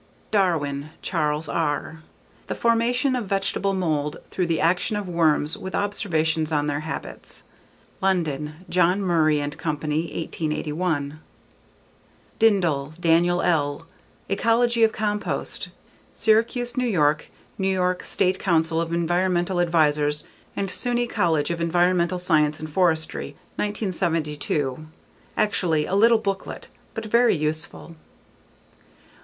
Darwin, Charles R. The Formation of Vegetable Mould through the Action of Worms with Observations on their Habits. London: John Murray & Co., 1881. Dindal, Daniel L. Ecology of Compost. Syracuse, New York: N.Y. State Council of Environmental Advisors and SUNY College of Environmental Science and Forestry, 1972. Actually, a little booklet but very useful.